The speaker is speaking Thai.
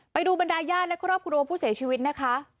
ไปดูบรรดาญาติและครอบครัวผู้เสียชีวิตนะคะ